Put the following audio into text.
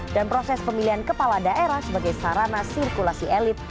dan proses pemilihan kepala daerah sebagai sarana sirkulasi elit